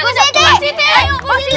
gitu ada yang panggili